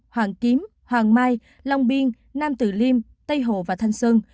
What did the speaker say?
hoàng kiếm hoàng mai long biên nam tử liêm tây hồ và thanh sơn